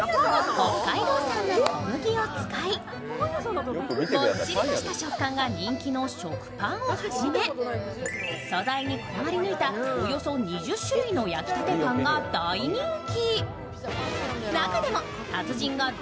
北海道産の小麦を使い、もっちりとした食感が人気の食パンをはじめ、素材にこだわり抜いたおよそ２０種類の焼きたてパンが大人気。